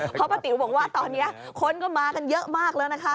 เพราะป้าติ๋วบอกว่าตอนนี้คนก็มากันเยอะมากแล้วนะคะ